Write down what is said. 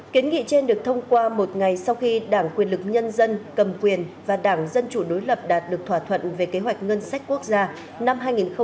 kiến nghị trên được thông qua một ngày sau khi đảng quyền lực nhân dân cầm quyền và đảng dân chủ đối lập đạt được thỏa thuận về kế hoạch ngân sách quốc gia năm hai nghìn hai mươi